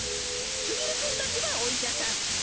すぎるくんたちはおいしゃさん。